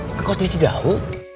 ngekos di cidahu